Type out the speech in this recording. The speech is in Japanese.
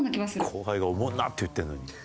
後輩が「オモんな」って言ってるのに。